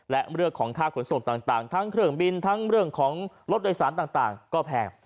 และเรื่องของค่าขนส่งต่างทั้งเครื่องบินทั้งเรื่องของรถโดยสารต่างก็แพง